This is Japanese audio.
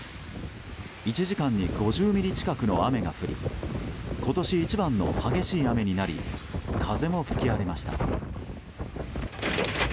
１時間に５０ミリ近くの雨が降り今年一番の激しい雨になり風も吹き荒れました。